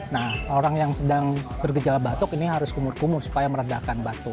nah orang yang sedang bergejala batuk ini harus kumur kumur supaya meredakan batu